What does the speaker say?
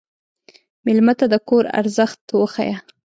مېلمه ته د کور ارزښت وښیه.